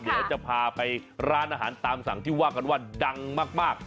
เดี๋ยวจะพาไปร้านอาหารตามสั่งที่ว่ากันว่าดังมาก